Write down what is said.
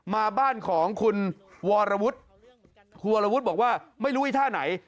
มาบ้านของคุณวรวุฒิคุณวรวุฒิบอกว่าไม่รู้ไอ้ท่าไหน